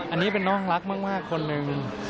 อันนี้เป็นน้องรักมากคนหนึ่ง